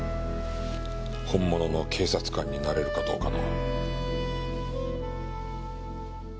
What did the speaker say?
本物の警察官になれるかどうかの。